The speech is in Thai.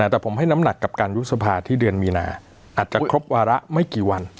แต่ผมให้น้ำหนักกับการยุบสภาที่เดือนมีนาอาจจะครบวาระไม่กี่วัน